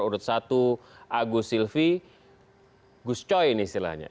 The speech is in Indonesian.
urut satu agus silvi gus coy ini istilahnya